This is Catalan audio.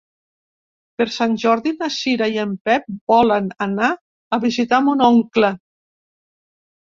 Per Sant Jordi na Cira i en Pep volen anar a visitar mon oncle.